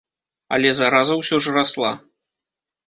Але зараза ўсё ж расла.